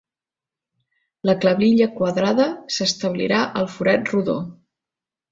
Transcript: La clavilla quadrada s'establirà al forat rodó.